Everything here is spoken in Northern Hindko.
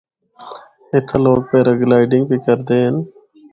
اِتھا لوگ پیراگلائیڈنگ بھی کردے ہن۔